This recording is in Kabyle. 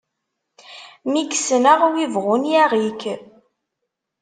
Mi k-ssneɣ, wi ibɣun yaɣ-ik!